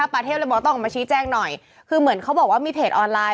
ประเทศเลยบอกต้องออกมาชี้แจ้งหน่อยคือเหมือนเขาบอกว่ามีเพจออนไลน